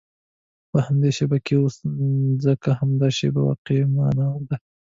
په همدې شېبه کې اوسه، ځکه همدا شېبه واقعي زمانه ده.